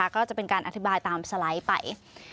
ก็จะเป็นการอธิบายตามสไลด์ไป